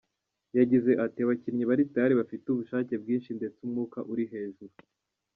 Yagize ati “Abakinnyi bari tayari bafite ubushake bwinshi ndetse umwuka uri hejuru.